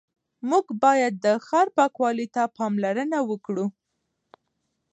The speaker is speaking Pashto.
موږ باید د ښار پاکوالي ته پاملرنه وکړو